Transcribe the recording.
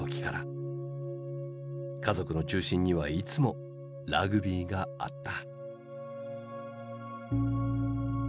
家族の中心にはいつもラグビーがあった。